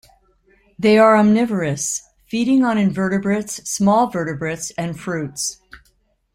They are omnivorous, feeding on invertebrates, small vertebrates, and fruits.